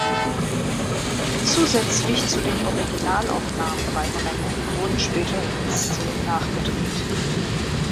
Zusätzlich zu den Originalaufnahmen beim Rennen wurden später Szenen nachgedreht.